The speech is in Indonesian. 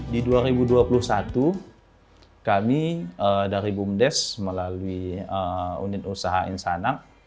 di dua ribu dua puluh satu kami dari bumdes melalui unit usaha insanak